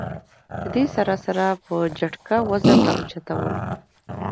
د دې سره سره پۀ جټکه وزن را اوچتول